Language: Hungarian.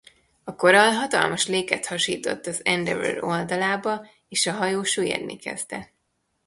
A korall hatalmas léket hasított az Endeavour oldalába és a hajó süllyedni kezdett.